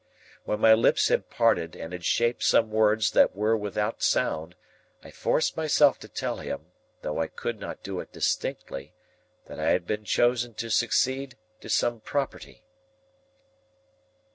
When my lips had parted, and had shaped some words that were without sound, I forced myself to tell him (though I could not do it distinctly), that I had been chosen to succeed to some property.